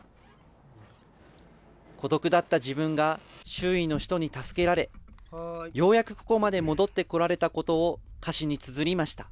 孤独だった自分が、周囲の人に助けられ、ようやくここまで戻ってこられたことを歌詞につづりました。